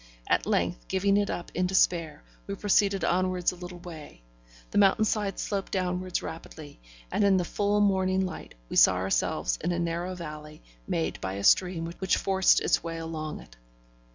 At length, giving it up in despair, we proceeded onwards a little way; the mountain side sloped downwards rapidly, and in the full morning light we saw ourselves in a narrow valley, made by a stream which forced its way along it.